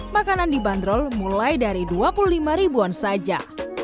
makanan dibanderol mulai dari dua puluh lima ribuan saja